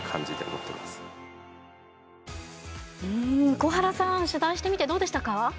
小原さん取材してみてどうでしたか。